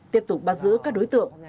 tiếp tục bắt giữ các đối tượng